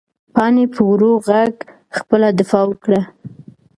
پاڼې په ورو غږ خپله دفاع وکړه.